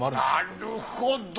なるほど！